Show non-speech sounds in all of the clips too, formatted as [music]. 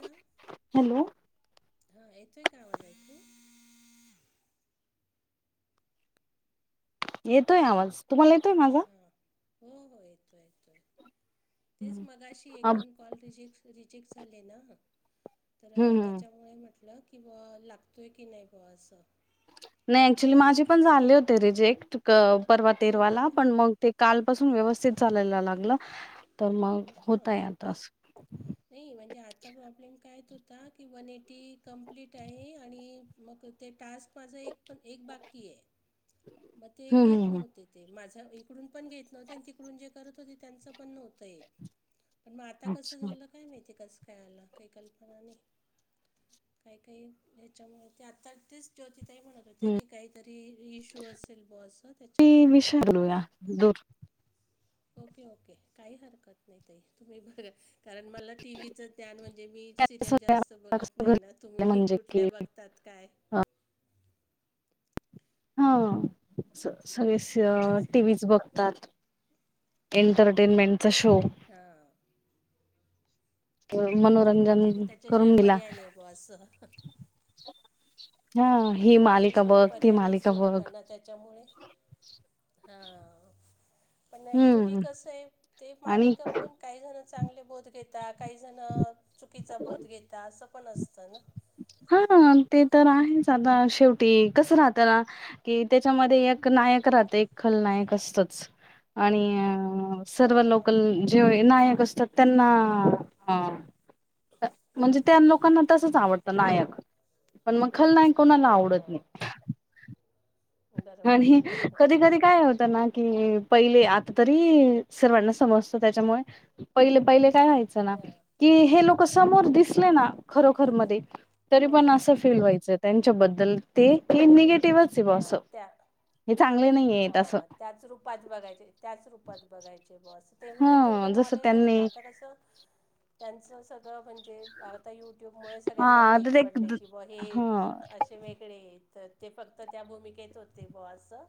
हा हॅलो हा येतोय का आवाज ऐकू? येतोय आवाज. तुम्हाला येतोय माझा? हा हो हो येतोय येतोय. तेच मगाशी एक अब दोन कॉल रिजेक्ट रिजेक्ट झाले ना, तर हम्म त्याच्यामुळे म्हटलं आपलं की बुवा लागतोय की नाही बा असं. नाही ऍक्च्युली कारण माझे पण झाले होते रिजेक्ट अ परवा हो का तेरवाला, पण मग ते कालपासून व्यवस्थित चालायला लागलं, तर मग हां होतय आता असं. नाही म्हणजे आजचा प्रॉब्लेम काय येत होता की वनएटी कम्प्लीट आहे आणि मग ते टास्क माझा एक पण एक बाकी आहे मग ते हम्म घेत हम्म हम्म नव्हते. ते माझं इकडून पण घेत नव्हते आणि तिकडून जे करत होते त्यांचं पण नव्हतं येतं. पण मग आता कसं अच्छा झालं काय माहिती. कसं काय आलं काही कल्पना नाही. काही काही याच्यामुळे ते आता तेच ज्योतिताई म्हणत होत्या, हम्म की काहीतरी इश नसेल मग असं ते विषय त्याच्यावर हा. बोलूया दूर ओके ओके काही हरकत नाही ताई. तुम्ही बघ कारण मला टीव्हीचं ज्ञान म्हणजे मी सिरियल जास्त सगळ्या बघत कसं नाही ना घरी तुम्ही म्हणजे कुठल्या की बघ त्यात काय अ, हा सगळेच आवाज टीव्हीच बघतात. एंटरटेनमेंटचा शो. हा. ते मनोरंजन म्हणजे त्याच्याशिवाय करून दिला. पर्याय नाही बुवा असं. हा ही मालिका बघ, ती मालिका बघ. मग त्याच्यामुळे. हा, पण ऍक्च्युली हम्म कसं आहे ते आणि मालिका बघून काही जण चांगले बोध घेता, काही जण चुकीचा बोध घेता असं पण असतं ना. हा ते तर आहेच आता शेवटी कसं राहतं ना. की त्याच्यामध्ये एक नायक राहतं, एक खलनायक असतंच. आणि सर्व हां लोकल जे नायक असतात त्यांना हा म्हणजे त्या लोकांना तसच आवडतं नायक पण मग खलनायक कोणाला आवडत हं नाही. बरोबर आणि आहे कधी कधी काय होत ना की, पहिले आता तरी सर्वांना समजतो त्याच्यामुळे पहिले पहिले काय व्हायचं ना, हां की हे लोक समोर दिसले ना खरोखर मध्ये तरी हं पण असं फील व्हायचंय त्यांच्याबद्दल ते निगेटिव्हच आहे हा बॉ असं त्या हे चांगले नाहीये. हां.. त्याच रूपात बघायचे, त्याच रूपात बघायचे बा बस. तेव्हा ह तेवढं जसं नॉलेज नव्हतं. त्यांनी आता कसं त्यांचं सगळं म्हणजे आता यू ट्यूबमुळे हा सगळ्यांना माहीती तर पडले ते की बा हे हा असे वेगळे आहेत. तर ते फक्त त्या भूमिकेत होते बुवा असं.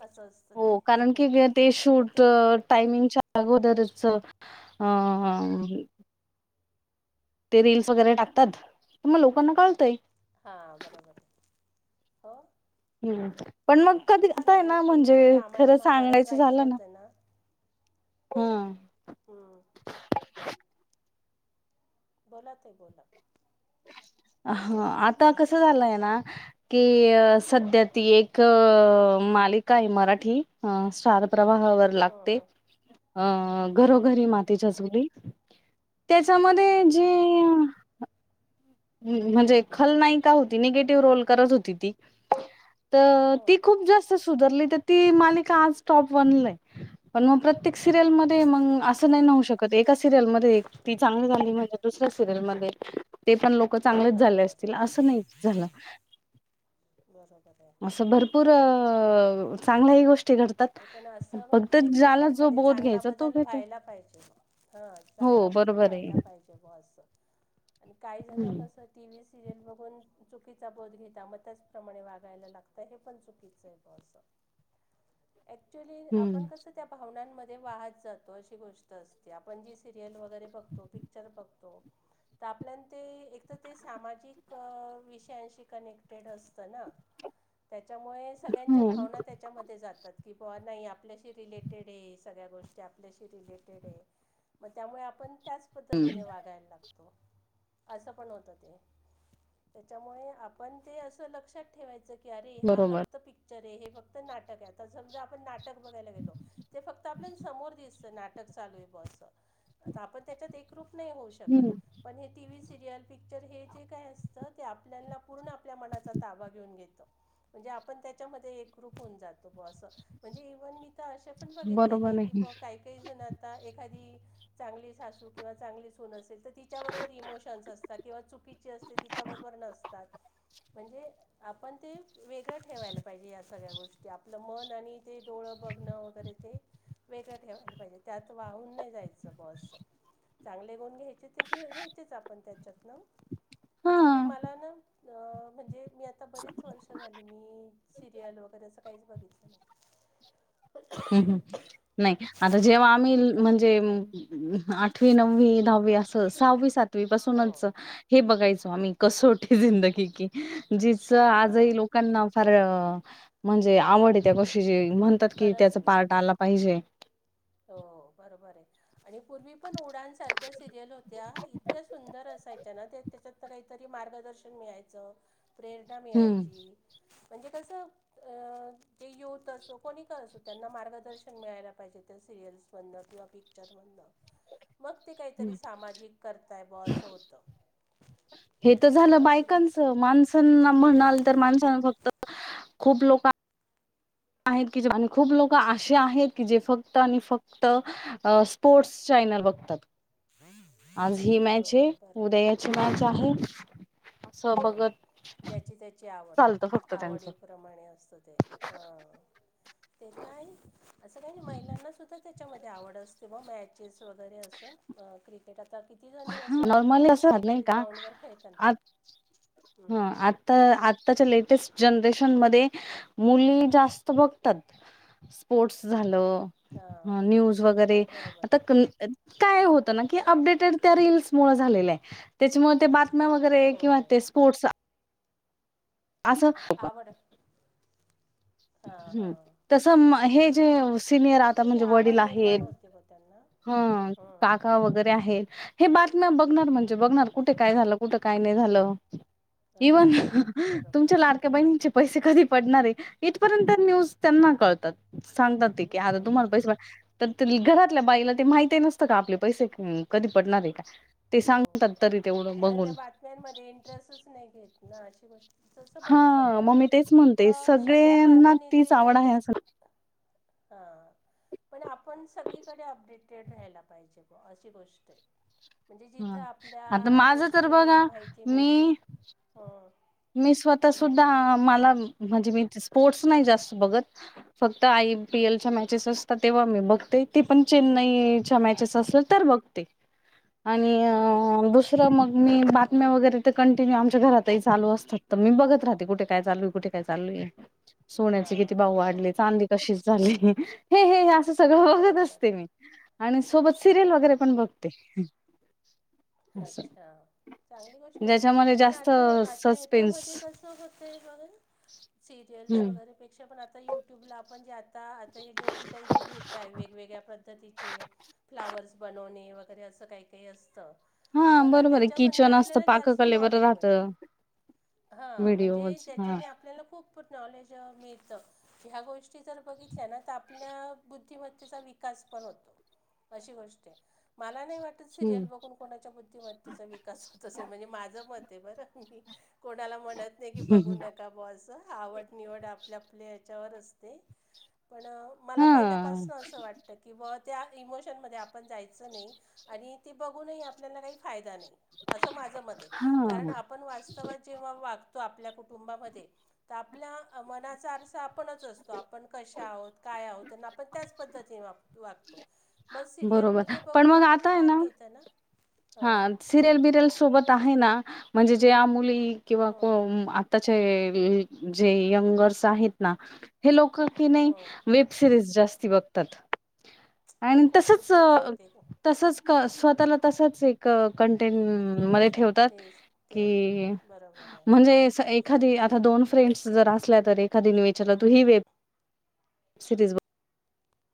असचं. हो कारण की हे ते, शूट अ टायमिंगच्या. अगोदरच आं.. ते रील्स वगैरे टाकतात, मग लोकांना कळतंय. हां बरोबर हो. हम्म. पण मग कधी तेच आता आहे आणि ना, पूर्वी म्हणजे जे रामायण खरं महाभारत सांगायचं व्हायचं झालं ना. होतं हम्म. हम्म. बोला ताई बोला. हां.. आता कसं झालंय ना. कि संध्या ती एक मालिका आहे, मराठी स्टार प्रवाहावर. हं लागते हं अं.. हं घरोघरी मातीच्या चुली. अच्छा त्यांच्यामध्ये जी हम्म. म्हणजे खलनाईका होती निगेटिव्ह रोल करत होती ती. तर हं ती खूप जास्त सुधरली, तर ती मालिका आज टॉप वनला आहे. पण मग परत प्रत्येक सिरियल मध्ये, मग असते. [unintelligible] चांगलेच झाले बरोबर आहे. असतील. असं नाही झालं बरोबर आहे. असं भर पर.. चांगलीय गोष्ट. पण असं म्हणजे, जो लोकांमध्ये बोध चांगला घ्यायचा तो बदल घेतो व्हायला पाहिजे. हा हो चांगला बदल बरोबर आहे व्हायला पाहिजे बुवा असं आणि काही जण हम्म कसं टी व्ही सिरियल बघून चुकीचा बोध घेता, मग त्याचप्रमाणे वागायला लागतं हे पण चुकीचं आहे ब असं. ऍक्च्युअली हम्म आपण कसं त्या भावनांमध्ये वाहत जातो अशी गोष्ट असते, आपण जी सिरियल वगैरे बघतो पिक्चर बघतो. तर आपल्यान ते एक तर ते सामाजिक अ विषयांशी कनेक्टेड असतं ना. त्याच्यामुळे सगळ्यांच्या हम्म भावना त्याच्यामध्ये जातात. की ब नाही आपल्याशी रिलेटेड ये, सगळ्या गोष्टी आपल्याशी रिलेटेड आहे. मग त्यामुळे आपण त्याच पद्धतीने वागायला लागतो, असं पण होतं ते. तेच्यामुळे आपण ते, असं लक्षात ठेवायचं की. अरे हा बरोबर फक्त पिक्चर हे, हे फक्त नाटक आहे. आता समजा आपण नाटक बघायला गेलो, ते फक्त आपल्या समोर दिसतं नाटक चालू आहे बुवा असं. आता आपण तेच्यात एकरूप नाही होऊ शकतं. हम्म पण हे टी व्ही सिरियल पिक्चर हे जे काय असतं, ते आपल्याला पूर्ण आपल्या मनांचा ताबा घेऊन घेतं. म्हणजे आपण त्याच्यामध्ये एकरूप होऊन जातं. असं म्हणजे इव्हन मी तर अशें पण बघितलेले. आहे की ब काही काही जण आता एखादी. चांगली सासू किंवा चांगली सुन असेल तर, तिच्याबरोबर इमोशन्स असतात किंवा चुकीची असते ती. तिच्या बरोबर नसतात म्हणजे, आपण ते वेगळं ठेवायला पाहिजे या सगळ्या गोष्टी. आपलं मन आणि ते डोळं बघणं वगैरे ते, वेगळं ठेवायला पाहिजे, त्यात वाहून नाही जायचं बा बस. चांगले गुण घ्यायचे ते, घ घ्यायचेच आपण तेच्यात नं. हा ऍक्च्युली मला ना अ म्हणजे मी आता बरीच वर्ष झाली मी सिरियल वगैरे असं काहीच बघितलं नाही. हम्म हम्म. नाही आता जेव्हा आम्ही काय म्हणजे. आठवी नववी दहावी असं, सहावी सातवी हां पासूनच. हे बघायचो आम्ही कसोटी जिंदगी की, जिच हां आजही हां लोकांना. फार म्हणजे आवड त्या गोष्टीची, म्हणतात की खरंच त्याचं ना पार्ट आला पाहिजे. हो बरोबर आहे. आणि पूर्वी पण उडण सारख्या सिरियल होत्या, इतक्या सुंदर असायच्या ना त्या तेच्यात. काहीतरी मार्गदर्शन मिळायचं, प्रेरणा हम्म मिळायची म्हणजे कसं. अ ते यो तसो कोणी कर असो त्यांना मार्गदर्शन मिळायला पाहिजेत. त्या सिरियल्स म्हणनं किंवा पिक्चर म्हणनं. मग ते काहीतरी हं. सामाजिक करताय बां असं होतं. हे तर झालं अशी बायकांच गोष्ट आहे माणसांना म्हणाल तर माणसां फक्त, खूप लोका आहेत की जे आणि खूप लोक असे आहेत, की जे फक्त आणि फक्त. स्पोर्टस चॅनल बघतात. [inaudible] आज ही मॅच आहे, हो बरोबर उदया आहे हिची ज्या मॅच आहे. असं हं. हं. बघत ज्याची त्याची आवड, चालतं फक्त त्यांचं आवडी प्रमाणे असत ते अ ते ताई असं काही ना महिलांना सुद्धा ते तेच्यामध्ये आवड असते, व मॅचेस वगैरे असं. क्रिकेट आता किती जणी असं, क्रिकेट ग्राउंडवर खेळताना. हं हम्म आत. तर आत्ताच्या लेटेस्ट जनरेशन मध्ये, मुली जास्त बघतात. स्पोर्ट्स झालं. हं हां न्यूज वगैरे बरोबर आता आहे काय होतं, ना की अपडेटेड. त्या रिल्स मुळे झालेलं आहे, तेच्या मुळं त्या बातम्या वगैरे हो किंवा ते स्पोर्ट्स. असं हो का. आवड हां हां हम्म तसं बरोबर म आहे हे जे सिनियर आता फक्त ती म्हणजे वडील आवड आहे निर्माण होते ब त्यांना हं.. काका वगैरे आहेत, हे बातम्या बघणार म्हण चे हं बघणार कुठे काय झालं कुठे काय नाही हो इवन बरोबर तुमच्या लाड बचे पैसे कधी पडणार आहे, इथपर्यंत न्यूज त्यांना कळतात. सांगतात ते की, आता तुम्हाला बरोबर पैसे आहे वाट तर घरातल्या बाईला ते माहिती नसतं का, आपले पैसे कधी पडणार आहे का. ते हो सांगतात तरी तेवढं बघून. त्रासच नाही घेत ना, अशी गोष्ट. तसं बघितलं हा ना मग मी तेच म्हणते तर सगळ्या सगळ्यांना बाजूनी ते तीच आवड आहे असं हा. पण आपण सगळीकडे अपडेटेड राहायला पाहिजे, बुवा अशी गोष्ट आहे. म्हणजे ह जिथं आता आपल्या, माझं तर गोष्टींना बघा माहिती मिळते. मी अं... मी स्वतः सुद्धा मला म्हणजे मी स्पोर्ट्स नाही जास्त बघत, फक्त आयपी एलच्या हम्म मॅचेस असतात तेव्हा. मी बघते ती पण, चेन्नईच्या मॅचेस अच्छा असल तर बघते. अच्छा आणि दुसरं मग मी बातम्या वगैरे, ते कंटिन्यू आमच्या घरातच. चालू असतात तर मी बघत राहते कुठे काय चालू कुठे हेच चालू ये सोन्याचे किती हां भाव वाढले. हां चांदी कशी झाली, हे हे असंच. सगळ बघत बरोबर असते आहे मी, आणि सोबत सिरियल वगैरे बरोबर पण आहे बघते. असं अच्छा, चांगली गोष्ट आहे, ज्याच्यामध्ये पण जास्त आता. ताय सस्पेन्स हेच्यामध्येकसं होतय बघ ना सिरियल्स हम्म वगैरे ते पेक्षा आता युट्यूबला आपण ज्याता ज्योति ताई चे घेतताय वेगवेगळ्या प्र तर तिचे फ्लावर्स बनवणे वगैरे, असं काही काही असतं. हा तर बरोबर आहे त्याच्यामधनं किचन असतं आपल्याला जास्त पाककलेवर नॉलेज मिळतं. राहतं हा म्हणजे व्हिडिओज हा. ज्याच्याने आपल्याला खूप नॉलेज मिळतं. ह्या गोष्टी जर बघितल्या ना तर, आपल्या बुद्धिमत्तेचा विकास पण होतो. अशी गोष्ट आहे, मला नाही वाटतं. हम्म सिरियल बघून कोणाच्या बुद्धिमत्तेचा विकास होत असेल, म्हणजे माझं मत आहे बर मी. कोणाला म्हणत नाही, की बघू नका. का ब असं आवड निवड, आपल्या आपल्या हेच्यावर असते पण. मला हा पहिल्यापासनं असं वाट किंवा त्या इमोशनमध्ये आपण जायचं नाही, आणि ते बघूनही आपल्याला काही फायदा नाही. असं माझं मत आहे, हा कारण आपण वाच जेव्हा वागतो आपल्या कुटुंबामध्ये, तर आपल्या मनाचा. आपणच असतो आपण कशा आहोत, काय आहोत आपण त्याचं पद्धतीने वागतो. मग बरोबर सिरियलमध्ये पण बघून, मग आपल्याला आता आहे काय मिळतं ना. हा हां सिरियल बिरियल सोबत आहे ना, म्हणजे जे आमुली किंवा हां कोन. त्याचे जे यंगर्स आहेत ना, हे लोक कणी हां वेब सिरीज जास्ती बघतात, ते आणि खूप तसंच. चुकीचं आहे ते तसंच स्वतःला तसंच, एक कंटेंट मध्ये ठेव. तर तेच तेच कि, बरोबर आहे म्हणजे एक. एखादी आता दोन फ्रेंड्स जर असल्या, तर एखादी विचारलं तू ही वेब सिरीज.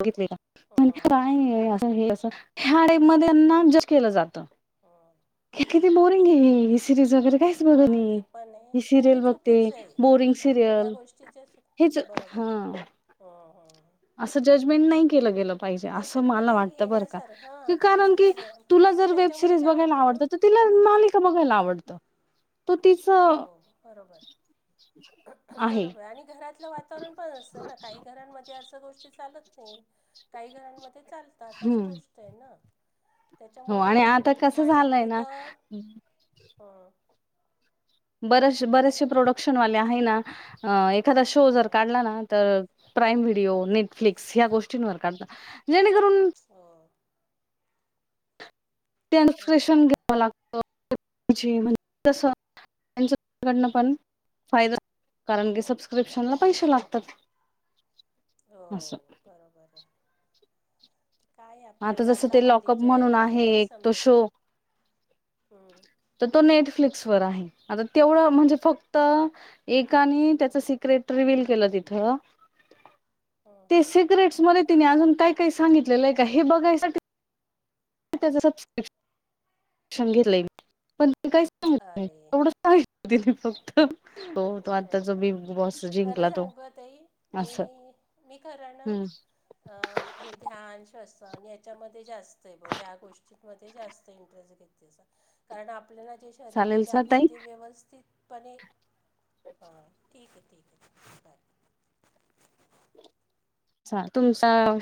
बघितली का म्हणे हां काय अस हे असं, [unintelligible] मध्ये केलं जातं. हं.. हे किती बोरिंग आहे ही, सिरीज वगैरे काय. हां ते पण आहे पण ते सिरयल बघते, चुकीचं आहे बोरिंग ह्या सिरियल. [unintelligible] हेच हं.. हा हा. असं जजमेंट नाही केलं गेलं पाहिजे. असं त्याच्यातनं मला काही वाटत बरं घेण्यासारखं का हां कारण केलं की, नाही गेलं तुला मग जर वेब त्याच्यामुळे सिरीज काय बघायला होतं आवडत, तर तिला मालिका बघायला आवडतं. तो तिच हो.. आहे बरोबर. बरोबर आणि घरातलं वातावरण पण असतं ना, काही घरांमध्ये असं गोष्टी चालतं. नाही काही घरांमध्ये चालतात, अशी हम्म गोष्ट आहे ना. हो तेच्यामुळे आता आणि, कसं माझ्या झालंय मते ना तर अं.. बरेच बरेचसे ताई प्रोडक्शनवाले आहे ना, एखादा शो जर हं काढला ना तर. प्राईम व्हिडिओ नेटफ्लिक्स या, गोष्टींवर करतात जेणे करून. हं.. तेन फ्रेशन बरोबर आहे घ्यावं लागत [unintelligible] त्यांच्याकडन पण फायदा कारण की, सबस्क्रिप्शनला तेच पैसे ना लागतात. हो, असं बरोबर आहे. काय आपल्याला जसं आता, ते लॉकअप हल्लीच्या म्हणून हेच्यातलं आहे काहीच एक तो समजत शो नाही हम्म. तर तो नेटफ्लिक्सवर आहे, आता तेवढं म्हणजे फक्तं. एकानी त्याचं सिक्रेट रिव्हल केलं तिथं. [inaudible] ते सिक्रेटस मध्ये तिने अजून, काय काय सांगितलेलं आहे का हे बघाय साठी. त्याच सबस्क्रपश घेतलंय मी पण अरे [unintelligible] दिली फक्तं. काय करायचं, खरं जिंकला तो सांगू का ताई असं मी. मी खरा ना. हम्म अ हे ध्यान शस्त आणि, यांच्यामध्ये जास्त आहे बग ह्या गोष्टी. मध्ये जास्त इंटरेस्ट घेतेसा, कारण आपल्या ते. तरी चालेल दिले स आपण ताई ते व्यवस्थितपणे. ठीक आहे, ठीक आहे बरं. [unintelligible] तुमचा